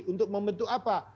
untuk membentuk apa